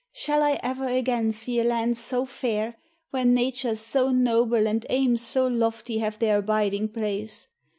"Shall I ever again see a land so fair, where natures so noble and aims so lofty have their abiding place?